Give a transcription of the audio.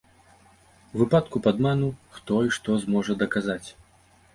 У выпадку падману, хто і што зможа даказаць?